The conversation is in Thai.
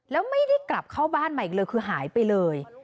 แล้วไม่ได้กลับเข้าบ้านมาอีกเลยคือหายไปเลย